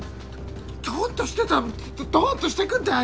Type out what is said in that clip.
ドンとしてたらドンとしてくんだよ